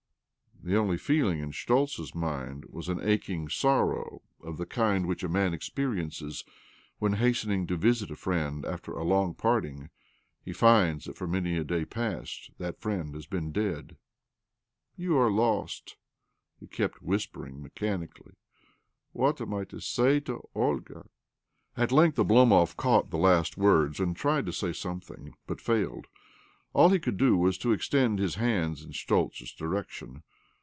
The only feeling in Schtoltz's mind was an aching sorrow of the kind which a man experiences when, hasten ing to visit a friend after a long parting, he finds that for many a day past that friend has been dead. " You are lost !" he kept whispering 298 OBLOMOV mechanically. " What am I to say to Ol'p?" At length Oblomov caught the last worcfe, and tried to say something, but failed. All he could do was to extend his hands in Schtoltz's direction.